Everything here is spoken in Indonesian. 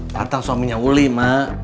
tatang suaminya uli ma